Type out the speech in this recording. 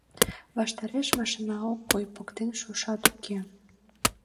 Ваштареш машина ок кой, поктен шушат уке.